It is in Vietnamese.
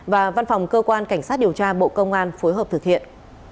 và văn phòng cơ quan cảnh sát điều tra bộ công an phối hợp thực hiện